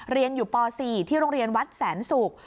เรียนอยู่ป๔ที่โรงเรียนวัดแสนศุกร์